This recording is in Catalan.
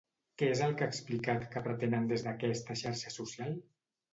Què és el que ha explicat que pretenen des d'aquesta xarxa social?